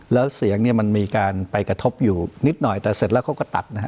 แล้วเสียงเนี่ยมันมีการไปกระทบอยู่นิดหน่อยแต่เสร็จแล้วเขาก็ตัดนะฮะ